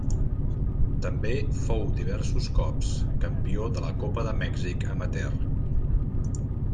També fou diversos cops campió de la copa de Mèxic amateur.